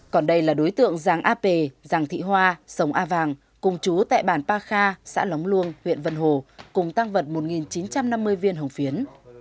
còn đây là đối tượng giàng á pê giàng thị hoa sống á vàng cùng trú tại bàn pa kha xã lóng luông huyện văn hồ cùng tăng vật một nghìn chín trăm năm mươi viên hồng phiến